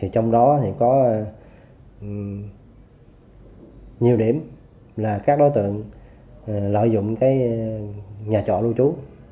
trong đó có nhiều điểm là các đối tượng lợi dụng nhà trọ lưu trú